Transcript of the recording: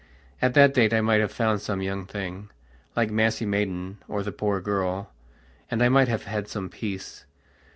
At that date I might have found some young thing, like Maisie Maidan, or the poor girl, and I might have had some peace.